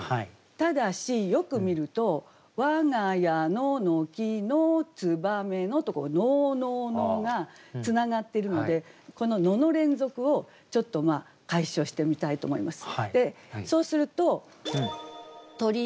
ただしよく見ると「我が家の軒の燕の」と「の」「の」「の」がつながってるのでこの「の」の連続をちょっと解消してみたいと思います。